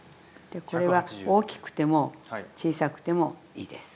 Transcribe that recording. これは大きくても小さくてもいいです。